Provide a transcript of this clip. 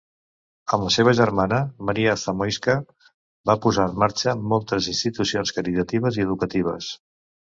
Amb la seva germana, Maria Zamoyska, va posar en marxa moltes institucions caritatives i educatives.